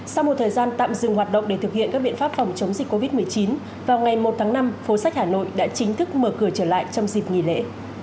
sau một thời gian tạm dừng hoạt động để thực hiện các biện pháp phòng chống dịch covid một mươi chín vào ngày một tháng năm phố sách hà nội đã chính thức mở cửa trở lại trong dịp nghỉ lễ